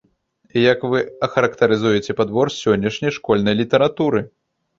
Як вы ахарактарызуеце падбор сённяшняй школьнай літаратуры?